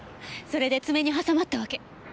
それで爪に挟まったわけ。